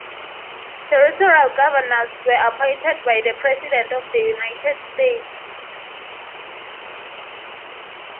Territorial governors were appointed by the President of the United States.